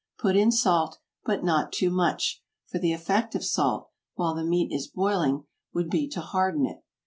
Put in salt, but not too much, for the effect of salt, while the meat is boiling, would be to harden it.